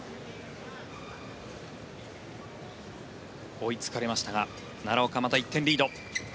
追いつかれましたが奈良岡、また１点リード。